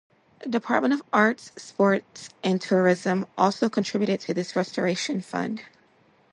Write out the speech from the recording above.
The Department of Arts, Sport and Tourism also contributed to this restoration fund.